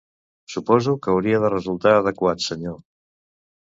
Suposo que hauria de resultar adequat, senyor.